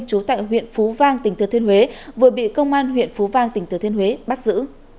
trú tại huyện phú vang tỉnh thừa thiên huế vừa bị công an huyện phú vang tỉnh thừa thiên huế bắt giữ